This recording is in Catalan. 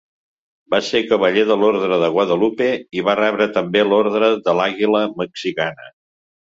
Va ser cavaller de l'Orde de Guadalupe i va rebre també l'Orde de l'Àguila Mexicana.